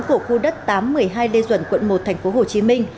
của khu đất tám trăm một mươi hai lê duẩn quận một tp hcm